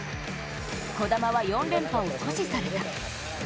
児玉は４連覇を阻止された。